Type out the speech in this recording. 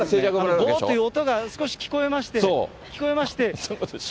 どーっという音が少し聞こえまして、聞こえまして。